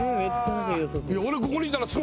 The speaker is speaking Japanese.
俺ここにいたら。